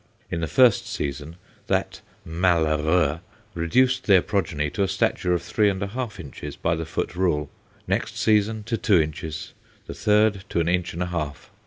In the first season, that malheureux reduced their progeny to a stature of three and a half inches by the foot rule; next season, to two inches; the third, to an inch and a half.